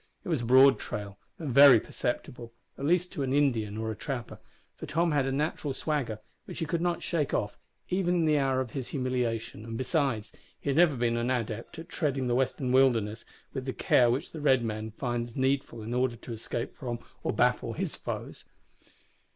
It was a broad trail and very perceptible, at least to an Indian or a trapper, for Tom had a natural swagger, which he could not shake off, even in the hour of his humiliation, and, besides, he had never been an adept at treading the western wilderness with the care which the red man finds needful in order to escape from, or baffle, his foes.